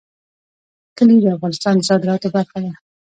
کلي د افغانستان د صادراتو برخه ده.